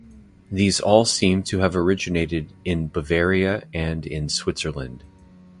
These all seem to have originated in Bavaria and in Switzerland.